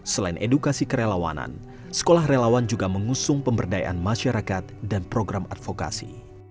selain edukasi kerelawanan sekolah relawan juga mengusung pemberdayaan masyarakat dan program advokasi